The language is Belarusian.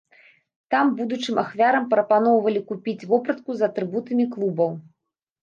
Там будучым ахвярам прапаноўвалі купіць вопратку з атрыбутамі клубаў.